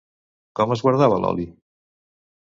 Com es guardava l'oli?